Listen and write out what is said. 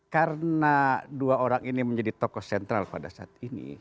karena dua orang ini menjadi tokoh sentral pada saat ini